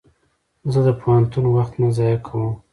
زه د پوهنتون وخت نه ضایع کوم.